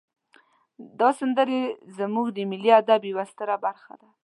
دا سندرې زمونږ د ملی ادب یوه ستره برخه ده.